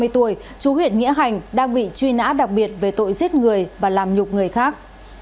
ba mươi tuổi chú huyện nghĩa hành đang bị truy nã đặc biệt về tội giết người và làm nhục người khác